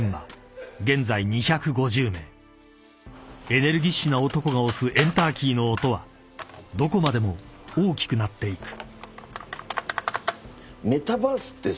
［エネルギッシュな男が押すエンターキーの音はどこまでも大きくなっていく］